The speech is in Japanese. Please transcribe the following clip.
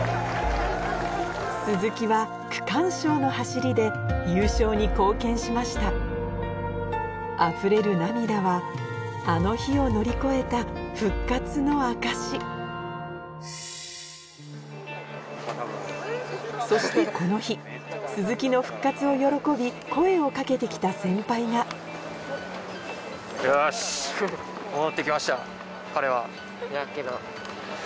鈴木は区間賞の走りで優勝に貢献しましたあふれる涙はあの日を乗り越えた復活の証しそしてこの日鈴木の復活を喜び声を掛けて来た先輩がちわっす。